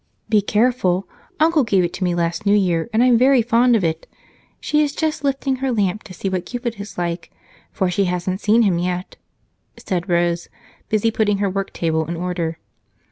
"Be careful. Uncle gave it to me last New Year, and I'm very fond of it. She is just lifting her lamp to see what Cupid is like, for she hasn't seen him yet," said Rose, busy putting her worktable in order.